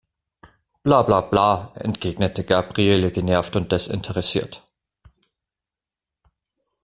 Bla bla bla, entgegnete Gabriele genervt und desinteressiert.